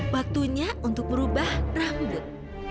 waktunya untuk merubah rambut